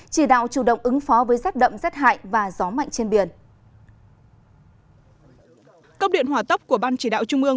chỉ đạo chủ động ứng phó với rét đậm rét hại và gió mạnh trên biển